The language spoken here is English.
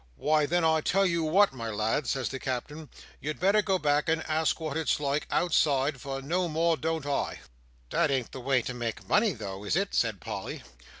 'Why, then I tell you wot, my lad,' says the Cap'en, 'you'd better go back and ask wot it's like, outside, for no more don't I!'" "That ain't the way to make money, though, is it?" said Polly.